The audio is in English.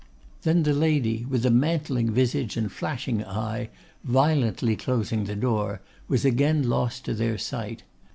Then the lady, with a mantling visage and flashing eye, violently closing the door, was again lost to their sight.